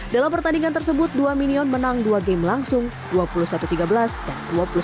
dalam pertandingan tersebut dua minion menang dua game langsung dua puluh satu tiga belas dan dua puluh satu sembilan belas